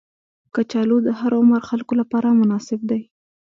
کچالو د هر عمر خلکو لپاره مناسب دي